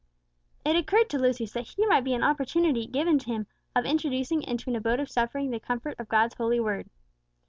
It occurred to Lucius that here might be an opportunity given to him of introducing into an abode of suffering the comfort of God's holy Word.